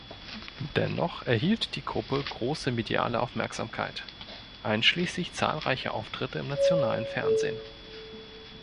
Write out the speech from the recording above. Dennoch erhielt die Gruppe große mediale Aufmerksamkeit, einschließlich zahlreicher Auftritte im nationalen Fernsehen.